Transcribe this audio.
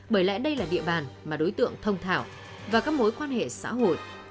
bởi lẽ đây là địa bàn mà đối tượng thông thảo và các mối quan hệ xã hội